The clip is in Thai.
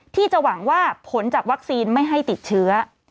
ที่จะหวังว่าผลจากวัคซีนไม่ให้ติดเชื้อ